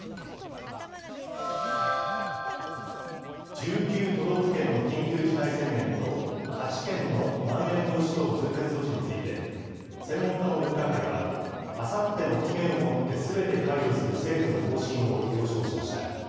１９都道府県の緊急事態宣言と、８県のまん延防止等重点措置について、専門家の分科会は、あさっての期限をもって、すべて解除する政府の方針を了承しました。